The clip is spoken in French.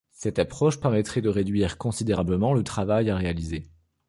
Cette approche permettrait de réduire considérablement le travail à réaliser.